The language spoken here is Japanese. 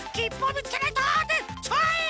ちょい！